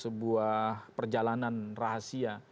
sebuah perjalanan rahasia